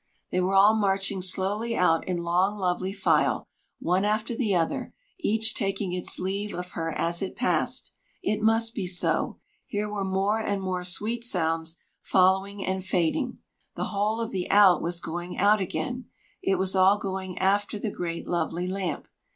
They were all marching slowly out in long lovely file, one after the other, each taking its leave of her as it passed! It must be so: here were more and more sweet sounds, following and fading! The whole of the Out was going out again; it was all going after the great lovely lamp!